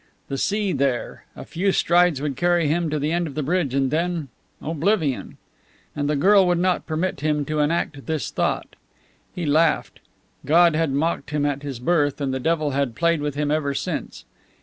The sea there; a few strides would carry him to the end of the bridge, and then oblivion. And the girl would not permit him to enact this thought. He laughed. God had mocked him at his birth, and the devil had played with him ever since.